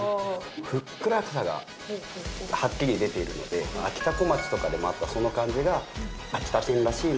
ふっくらさがはっきり出ているのであきたこまちとかにもあったその感じが秋田県らしいなって思います。